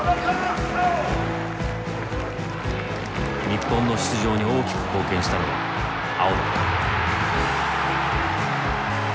日本の出場に大きく貢献したのが碧だった。